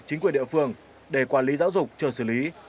chính quyền địa phương để quản lý giáo dục chờ xử lý